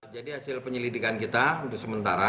jadi hasil penyelidikan kita untuk sementara